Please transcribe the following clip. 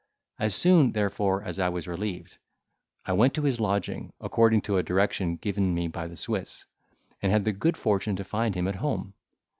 As soon, therefore, as I was relieved, I went to his lodging, according to a direction given me by the Swiss, and had the good fortune to find him at home.